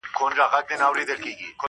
مُلا وویله خدای مي نګهبان دی٫